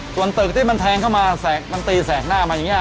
ส่วนตึกที่มันแทงเข้ามามันตีแสกหน้ามาอย่างนี้